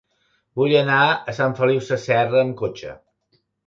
Vull anar a Sant Feliu Sasserra amb cotxe.